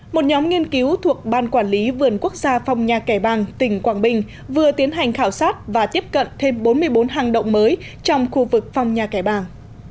một nhóm nghiên cứu thuộc ban quản lý vườn quốc gia phong nha kẻ bàng tỉnh quảng bình vừa tiến hành khảo sát và tiếp cận thêm bốn mươi bốn hang động mới trong khu vực phong nhà kẻ bàng